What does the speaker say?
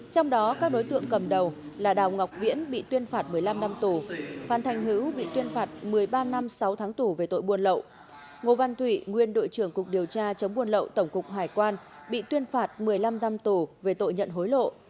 trong đó các đối tượng cầm đầu là đào ngọc viễn bị tuyên phạt một mươi năm năm tù phan thành hữu bị tuyên phạt một mươi ba năm sáu tháng tù về tội buôn lậu ngô văn thủy nguyên đội trưởng cục điều tra chống buôn lậu tổng cục hải quan bị tuyên phạt một mươi năm năm tù về tội nhận hối lộ